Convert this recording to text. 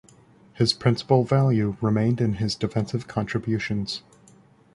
His principal value remained in his defensive contributions.